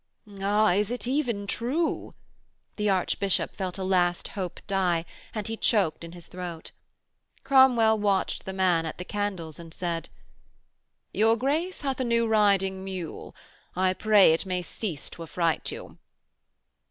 'Ah, is it even true?' The Archbishop felt a last hope die, and he choked in his throat. Cromwell watched the man at the candles and said: 'Your Grace hath a new riding mule. I pray it may cease to affright you.'